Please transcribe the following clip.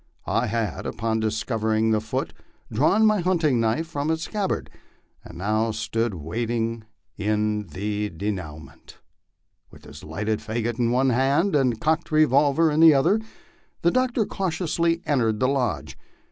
I had, upon discovering the foot, drawn my hunting knife from its scabbard, and now stood waiting the denouement. With his lighted fagot in one hand and cocked revolver in the other, the doctor cautiously entered the lodge.